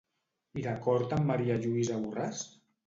I d'acord amb Maria Lluïsa Borràs?